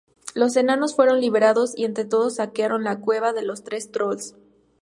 Los enanos fueron liberados y entre todos saquearon la cueva de los tres trolls.